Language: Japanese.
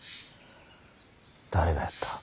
誰がやった。